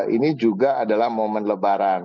ini juga adalah momen lebaran